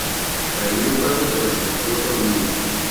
Prendió fuego pero se quedó dormido.